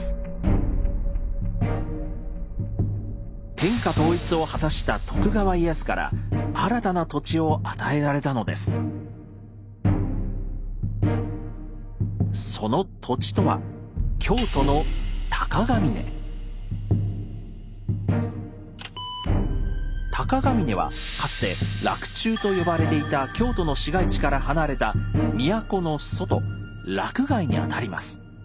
天下統一を果たしたその土地とは京都の鷹峯はかつて「洛中」と呼ばれていた京都の市街地から離れた都の外「洛外」にあたります。